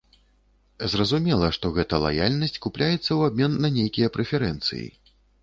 Зразумела, што гэта лаяльнасць купляецца ў абмен на нейкія прэферэнцыі.